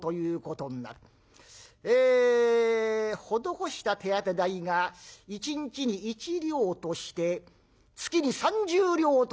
ええ施した手当て代が一日に１両として月に３０両といたそう。